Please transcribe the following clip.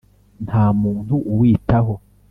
nta muntu uwitaho